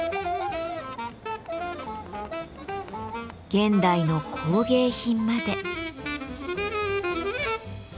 現代の工芸品まで。